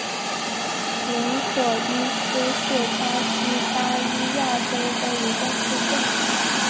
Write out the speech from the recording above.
伦索伊斯是巴西巴伊亚州的一个市镇。